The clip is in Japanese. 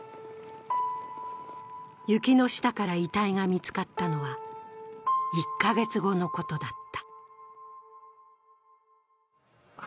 雪の下から遺体が見つかったのは１カ月後のことだった。